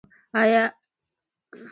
ان هغه کسان شدیداً مخالف وو